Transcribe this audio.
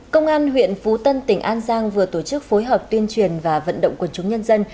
công an huyện phú tân tỉnh an giang vừa tổ chức phối hợp tuyên truyền và vận động quần chúng nhân dân